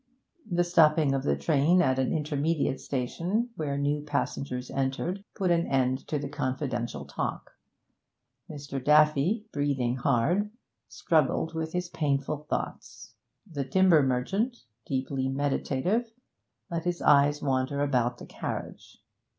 The stopping of the train at an intermediate station, where new passengers entered, put an end to the confidential talk. Mr. Daffy, breathing hard, struggled with his painful thoughts; the timber merchant, deeply meditative, let his eyes wander about the carriage.